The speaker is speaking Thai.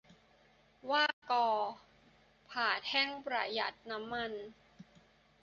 'หว้ากอ' ผ่าแท่งประหยัดน้ำมัน